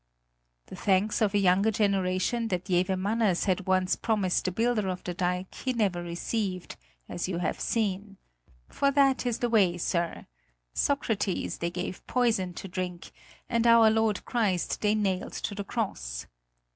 "The thanks of a younger generation that Jewe Manners had once promised the builder of the dike he never received, as you have seen. For that is the way, sir: Socrates they gave poison to drink, and our Lord Christ they nailed to the cross.